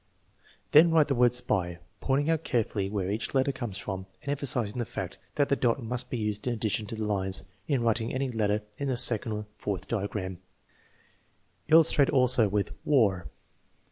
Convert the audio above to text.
'" Then write the word spy, pointing out carefully where each letter comes from, and emphasizing the fact that the dot must be used in addition to the lines in writing any letter in the second or the fourth diagram. Illustrate also with war.